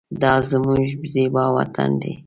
دا زمونږ زیبا وطن